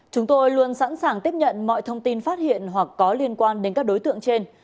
chúng tôi luôn sẵn sàng tiếp nhận mọi thông tin phát hiện hoặc có liên quan đến các đối tượng trên